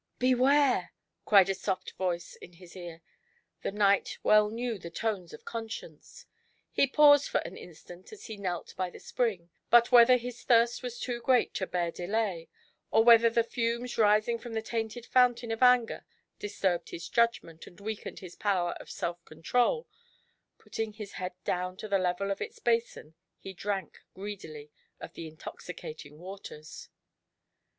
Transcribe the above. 7 98 GIANT HATE. •' Beware !" cried a soft voice in his ear. The knight well knew the tones of Conscience; he paused for an instant as he knelt by the spring, but whether his thirst was too great to bear delay, or whether the fumes rising from the tainted fountain of Anger disturbed his judg ment and weakened his power of self control, putting his head down to the level of its basin, he drank greedily of the intoxicating waters.